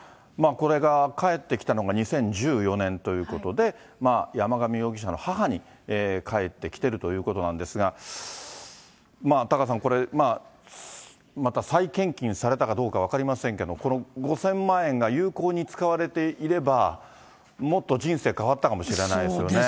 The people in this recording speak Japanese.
これが返ってきたのが２０１４年ということで、山上容疑者の母に返ってきてるということなんですが、タカさん、また再献金されたかどうか分かりませんけど、この５０００万円が有効に使われていれば、もっと人生変わったかもしれないですよね。